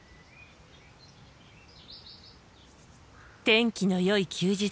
天気のよい休日。